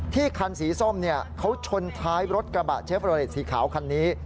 คันสีส้มเขาชนท้ายรถกระบะเชฟโรเลสสีขาวคันนี้